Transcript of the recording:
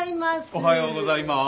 おはようございます。